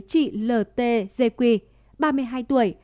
chị l t dê quy ba mươi hai tuổi